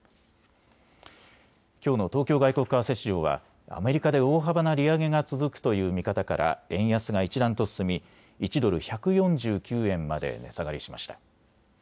きょうの東京外国為替市場はアメリカで大幅な利上げが続くという見方から円安が一段と進み１ドル１４９円まで値下がりしました。